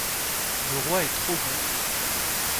Le roi est trop bon.